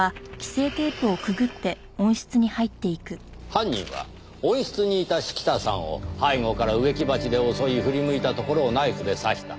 犯人は温室にいた式田さんを背後から植木鉢で襲い振り向いたところをナイフで刺した。